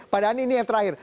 pak adani ini yang terakhir